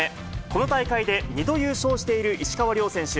この大会で２度優勝している石川遼選手。